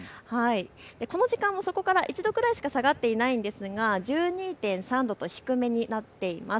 この時間もそこから１度くらいしか下がっていないんですが１２．３度と低めになっています。